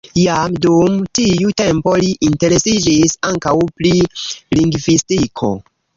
Jam dum tiu tempo li interesiĝis ankaŭ pri lingvistiko.